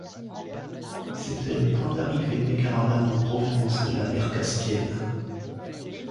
C'était le point d'arrivée des caravanes en provenance de la mer Caspienne.